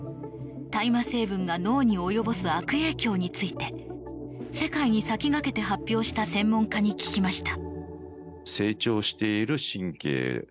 大麻成分が脳に及ぼす悪影響について世界に先駆けて発表した専門家に聞きました。